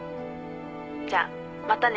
じゃあまたね。